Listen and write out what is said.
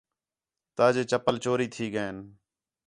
تاجے چپل چوری تھی ڳئین